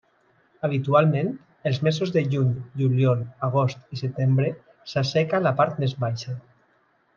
Habitualment, els mesos de juny, juliol, agost i setembre s'asseca a la part més baixa.